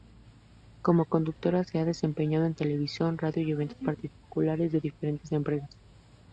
Como conductora se ha desempeñado en televisión, radio y eventos particulares de diferentes empresas.